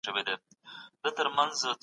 بې له قدرته سیاست ناسونی سوی دی.